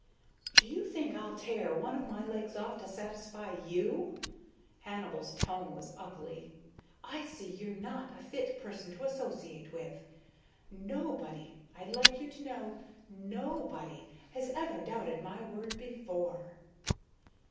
"Do you think I'll tear one of my legs off to satisfy you?" Hannibal's tone was ugly. "I see you're not a fit person to associate with. Nobody, I'd like you to know, _no_body has ever doubted my word before."